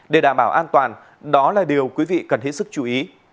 để đảm bảo an toàn đó là điều quý vị cần hết sức chú ý